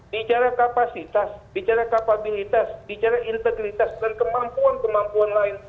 bicara kapasitas bicara kapabilitas bicara integritas dan kemampuan kemampuan lain